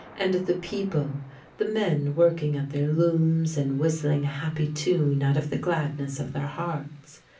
And the people: the men working at their looms and whistling a happy tune out of the gladness of their hearts.